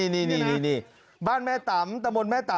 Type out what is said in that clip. นี่บ้านแม่ตำตะมนต์แม่ตำ